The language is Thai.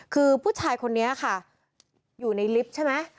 คือผู้ชายคนนี้ค่ะอยู่ในลิฟต์ใช่ไหม